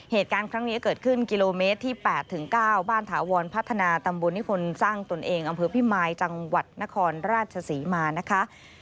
เหตุการณ์ครั้งนี้เกิดขึ้นกิโลเมตรที่๘๙บ้านถาวรพัฒนาตำบลนิคมสร้างตนเองอำเภอพิมายจังหวัดนครราชศรีมานะคะ